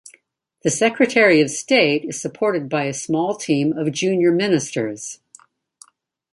The Secretary of State is supported by a small team of junior Ministers.